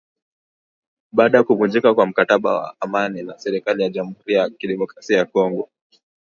Baada ya kuvunjika kwa mkataba wa amani na serikali Jamuhuri ya kidemokrasia ya Kongo